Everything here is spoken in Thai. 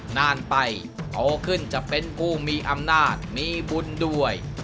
นานไปโตขึ้นจะเป็นผู้มีอำนาจมีบุญด้วย